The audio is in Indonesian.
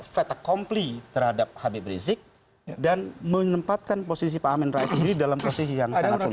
fat accompli terhadap habib rizik dan menempatkan posisi pak amin rais sendiri dalam posisi yang sangat sulit